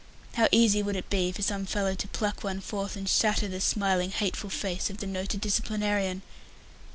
How easy would it be for some fellow to pluck one forth and shatter the smiling, hateful face of the noted disciplinarian!